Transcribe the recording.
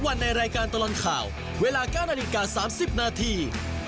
วันในรายการตลอดข่าวเวลา๙นาฬิกา๓๐นาที